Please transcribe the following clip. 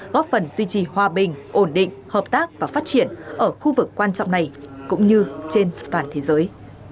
góp phần duy trì hòa bình ổn định hợp tác và phát triển ở khu vực quan trọng này cũng như trên toàn thế giới